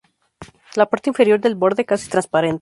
La parte inferior del borde casi transparente.